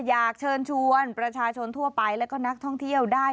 อยากเชิญชวนประชาชนทั่วไปแล้วก็นักท่องเที่ยวได้